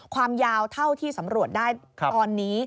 ความยาวเท่าที่สำรวจได้ตอนนี้